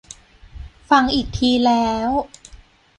ฟังอีกทีแล้ว